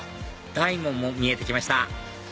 大門も見えてきました